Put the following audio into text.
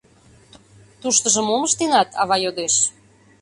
— Туштыжо мом ыштенат? — ава йодеш.